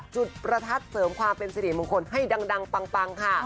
จุดประทัดเสริมความเป็นสิริมงคลให้ดังปังค่ะ